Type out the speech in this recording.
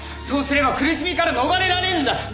そうすれば苦しみから逃れられるんだ！